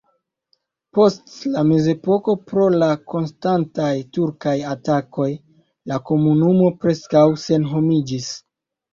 Post la mezepoko pro la konstantaj turkaj atakoj la komunumo preskaŭ senhomiĝis.